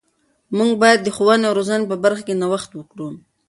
موږ باید د ښوونې او روزنې په برخه کې نوښت وکړو.